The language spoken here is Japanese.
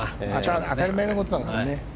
当たり前のことだから。